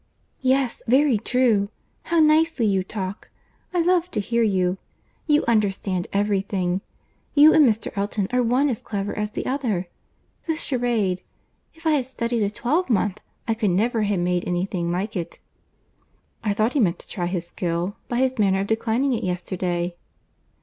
"Yes, very true. How nicely you talk; I love to hear you. You understand every thing. You and Mr. Elton are one as clever as the other. This charade!—If I had studied a twelvemonth, I could never have made any thing like it." "I thought he meant to try his skill, by his manner of declining it yesterday."